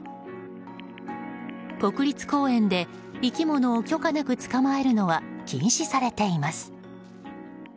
国立公園で生き物を許可なく捕まえるのは禁止されています。